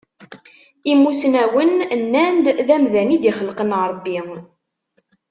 Imussnawen nnan-d d amdan i d-ixelqen Ṛebbi.